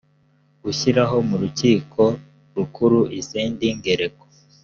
gushyiraho mu rukiko rukuru izindi ngereko